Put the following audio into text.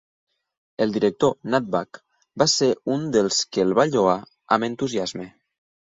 El director Nat Buck va ser un dels que el va lloar amb entusiasme.